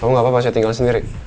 kamu gak apa apa saya tinggal sendiri